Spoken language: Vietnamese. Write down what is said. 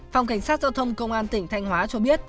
phòng cảnh sát giao thông công an tỉnh thanh hóa cho biết